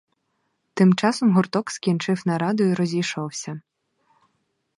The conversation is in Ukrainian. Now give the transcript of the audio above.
Тим часом гурток скінчив нараду і розійшовся.